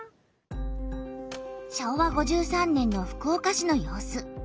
昭和５３年の福岡市の様子。